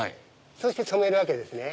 そうして染めるわけですね。